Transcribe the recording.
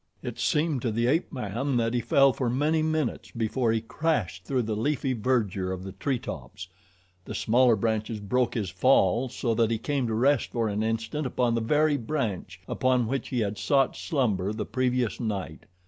It seemed to the ape man that he fell for many minutes before he crashed through the leafy verdure of the tree tops. The smaller branches broke his fall, so that he came to rest for an instant upon the very branch upon which he had sought slumber the previous night.